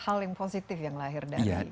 hal yang positif yang lahir dari keadaan ini